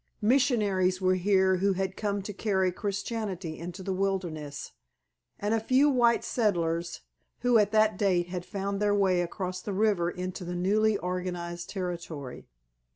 Missionaries were here who had come to carry Christianity into the wilderness, and a few white settlers who at that date had found their way across the river into the newly organized territory.